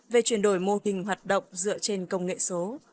về chuyển đổi mô hình hoạt động dựa trên công nghệ số